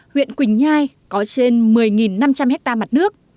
huyện quỳnh nhai có trên một mươi năm trăm linh hectare mặt nước